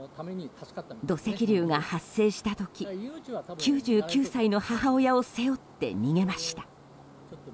土石流が発生した時９９歳の母親を背負って逃げました。